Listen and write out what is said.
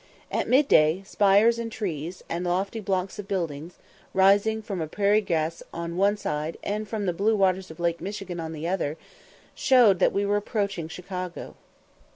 At mid day, spires and trees, and lofty blocks of building, rising from a grass prairie on one side, and from the blue waters of Lake Michigan on the other, showed that we were approaching Chicago.